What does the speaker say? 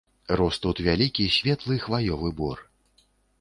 Рос тут вялікі, светлы хваёвы бор.